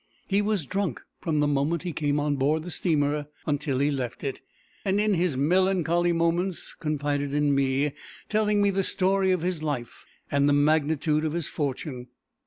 He was drunk from the moment he came on board the steamer until he left it, and in his melancholy moments confided in me, telling me the story of his life and the magnitude of his fortune.